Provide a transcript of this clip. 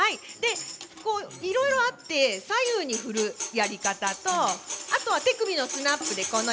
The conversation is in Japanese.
いろいろあって左右に振るやり方とあとは手首のスナップで。